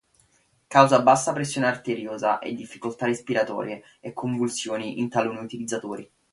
Causa bassa pressione arteriosa e, difficoltà respiratorie e convulsioni in taluni utilizzatori.